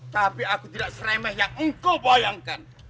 tapi aku tidak seremeh yang engkau bayangkan